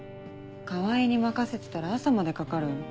川合に任せてたら朝までかかる。